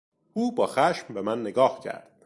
او با خشم بهمن نگاه کرد.